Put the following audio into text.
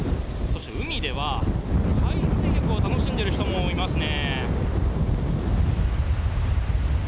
海では、海水浴を楽しんでいる人もいますね。